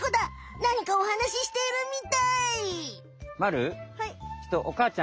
なにかおはなししているみたい。